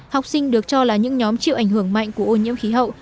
học sinh được cho là những nhóm chịu ảnh hưởng mạnh của ô nhiễm khí hậu